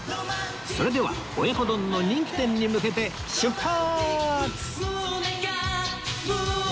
それでは親子丼の人気店に向けて出発！